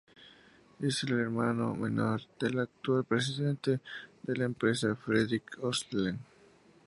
Él es el hermano menor del actual presidente de la empresa, Fredrik Olsen.